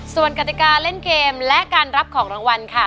ส่วนกติกาเล่นเกมและการรับของรางวัลค่ะ